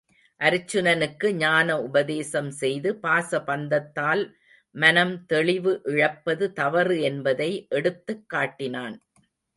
அருச்சுனனுக்கு ஞான உபதேசம் செய்து பாச பந்தத்தால் மனம் தெளிவு இழப்பது தவறு என்பதை எடுத்துக் காட்டினான்.